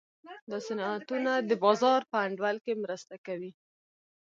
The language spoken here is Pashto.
دا صنعتونه د بازار په انډول کې مرسته کوي.